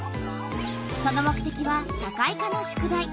その目てきは社会科の宿題。